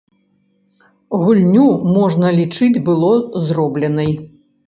Гульню можна лічыць было зробленай.